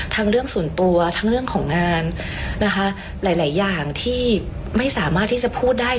เรื่องส่วนตัวทั้งเรื่องของงานนะคะหลายอย่างที่ไม่สามารถที่จะพูดได้